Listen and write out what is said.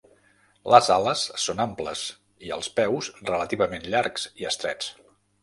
Les ales són amples, i, els peus, relativament llargs i estrets.